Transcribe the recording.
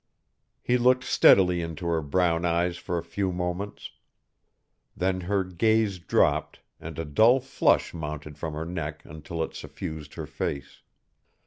He looked steadily into her brown eyes for a few moments. Then her gaze dropped and a dull flush mounted from her neck until it suffused her face.